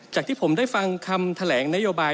ที่ผมได้ฟังคำแถลงนโยบาย